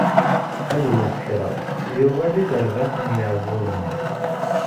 Ma d wis kraḍ, yuɣal i terbaɛt n Yiɛeẓẓugen.